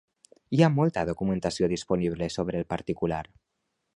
Hi ha molta documentació disponible sobre el particular.